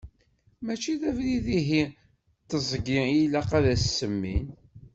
Mačči d abrid ihi d tiẓgi i ilaq ad as-semmin.